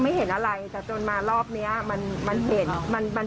แบบเอกสารให้นักแสดงมันก็มีหน้าที่แค่มุมนั้น